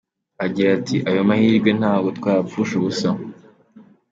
Agira ati “Ayo mahirwe ntabwo twayapfusha ubusa.